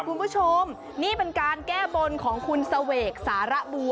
คุณผู้ชมนี่เป็นการแก้บนของคุณเสวกสารบู